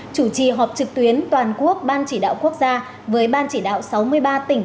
chủ trì họp trực tuyến toàn quốc ban chỉ đạo quốc gia với ban chỉ đạo sáu mươi ba tỉnh